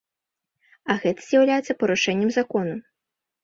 А гэта з'яўляецца парушэннем закону.